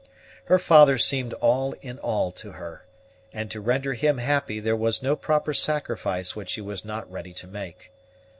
Her father seemed all in all to her, and to render him happy there was no proper sacrifice which she was not ready to make.